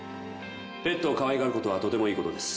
ペットをかわいがることはとてもいいことです